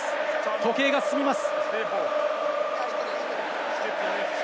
時計が進みます。